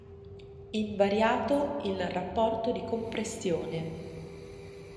Invariato il rapporto di compressione.